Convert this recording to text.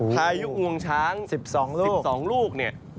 ถ้ายุคงวงช้าง๑๒ลูก